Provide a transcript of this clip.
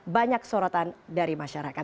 banyak sorotan dari masyarakat